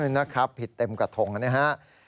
นะครับผิดเต็มกระทงนะครับ